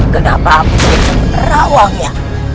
kenapa aku terawak ya